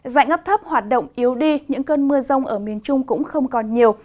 dạng ngấp thấp hoạt động yếu đi những cơn mưa rông ở miền trung cũng không còn nhiều